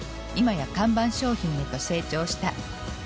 今や看板商品へと成長した。